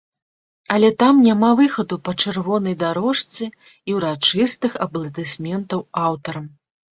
Але там няма выхаду па чырвонай дарожцы і ўрачыстых апладысментаў аўтарам.